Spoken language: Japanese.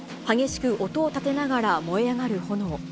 激しく音を立てながら燃え上がる炎。